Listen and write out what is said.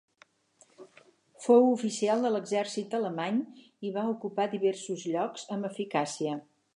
Fou oficial de l'exèrcit alemany i va ocupar diversos llocs amb eficàcia.